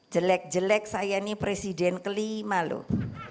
jelek jelek saya ini presiden kelima loh